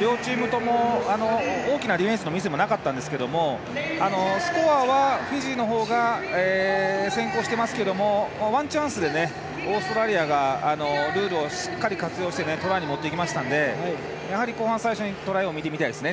両チームとも大きなディフェンスのミスもなかったんですけれどもスコアはフィジーの方が先行してますけどもワンチャンスでオーストラリアがルールをしっかり活用してトライに持っていきましたのでやはり後半最初にトライを入れていきたいですね